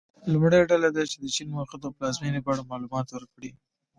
لومړۍ ډله دې د چین موقعیت او پلازمېنې په اړه معلومات ورکړي.